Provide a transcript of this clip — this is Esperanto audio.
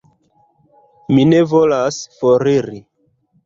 Mi ne volas foriri.